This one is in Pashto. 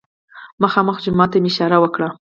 مخامخ جومات ته مې اشاره وکړه.